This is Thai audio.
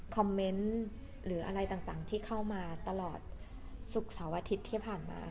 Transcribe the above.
เมนต์หรืออะไรต่างที่เข้ามาตลอดศุกร์เสาร์อาทิตย์ที่ผ่านมา